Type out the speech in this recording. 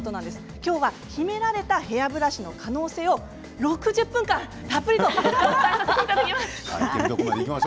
今日は秘められたヘアブラシの可能性を６０分間たっぷりとお伝えします。